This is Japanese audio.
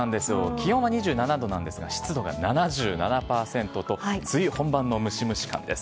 気温は２７度なんですが、湿度が７７％と、梅雨本番のムシムシ感です。